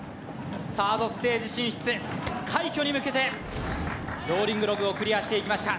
サードステージ進出へ快挙に向けてローリングログをクリアしていきました